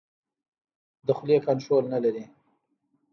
د خولې کنټرول نه لري.